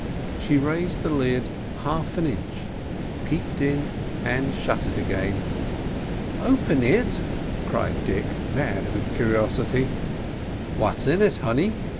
She raised the lid half an inch, peeped in, and shut it again. "Open it!" cried Dick, mad with curiosity. "What's in it, honey?"